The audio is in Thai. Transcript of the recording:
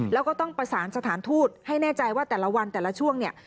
แล้วก็ต้องประสานสถานทูตให้แน่ใจว่าแต่ละวันแต่ละช่วงเนี่ย